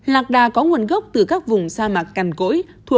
lạc đà có nguồn gốc từ các vùng sa mạc cằn cỗi